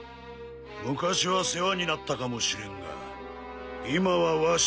昔は世話になったかもしれんが今はわしらの正義の敵じゃ。